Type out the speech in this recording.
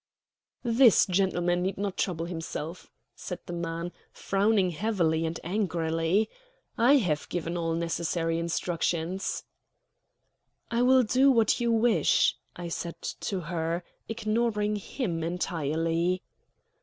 "This gentleman need not trouble himself," said the man, frowning heavily and angrily. "I have given all necessary instructions." "I will do what you wish," I said to her, ignoring him entirely.